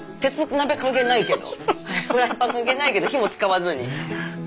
フライパン関係ないけど火も使わずに。